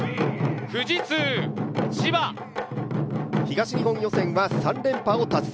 東日本予選は３連覇を達成。